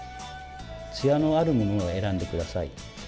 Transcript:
つやのあるものを選んでください。